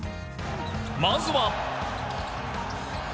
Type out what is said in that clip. まずは。